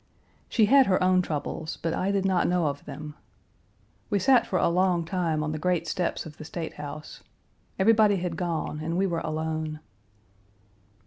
She had her own troubles, but I did not know of them. We sat for a long time on the great steps of the State House. Everybody had gone and we were alone.